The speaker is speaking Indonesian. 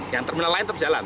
yang terminal lain terjalan